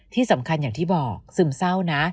ที่สำคัญอย่างที่บอกซึมเศร้านะ